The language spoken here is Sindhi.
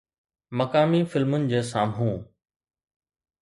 مقامي فلمن جي سامهون